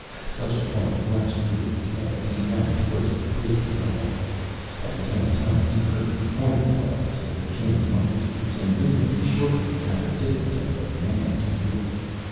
Such a thought flashed through his head as he ran towards the prison wells. At the same time he heard the horn blasts of the king's mucketeers and knew that he shortly would have a different type of Man to deal with.